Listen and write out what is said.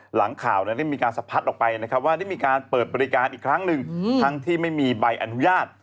หลังข่าวนั้นได้มีการสะพัดออกไปนะครับว่าได้มีการเปิดบริการอีกครั้งหนึ่งทั้งที่ไม่มีใบอนุญาต